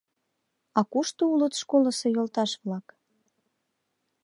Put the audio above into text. «А кушто улыт школысо йолташ-влак?